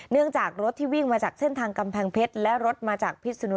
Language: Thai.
เนื่องจากรถที่วิ่งมาจากเส้นทางกำแพงเพชรและรถมาจากพิศนุ